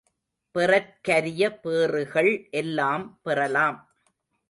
பெறற்கரிய பேறுகள் எல்லாம் பெறலாம்.